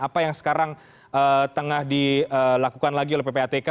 apa yang sekarang tengah dilakukan lagi oleh ppatk